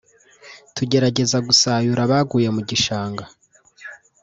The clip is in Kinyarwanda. tugerageza gusayura abaguye mu gishanga